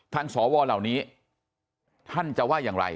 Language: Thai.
สวเหล่านี้ท่านจะว่าอย่างไร